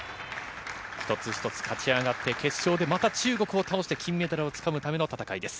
一つ一つ勝ち上がって、決勝でまた中国を倒して金メダルをつかむための戦いです。